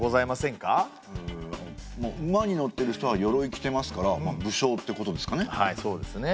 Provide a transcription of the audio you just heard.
ん馬に乗ってる人はよろい着ていますから武将ってことですかね。